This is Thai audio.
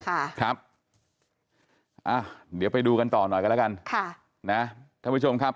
ครับอ่ะเดี๋ยวไปดูกันต่อหน่อยกันแล้วกันค่ะนะท่านผู้ชมครับ